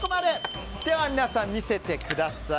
では皆さん、見せてください。